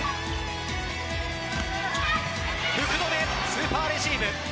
福留、スーパーレシーブ。